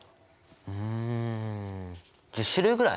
うん１０種類ぐらい？